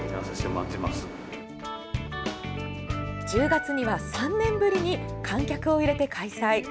１０月には３年ぶりに観客を入れて開催。